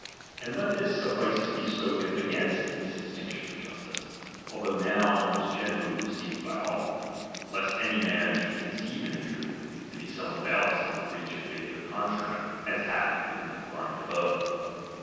And let this suffice to be spoken against this distinction of justice, although now almost generally received by all ; lest any man should conceive an injury to be somewhat else than the breach of faith or contract, as hath been defined above.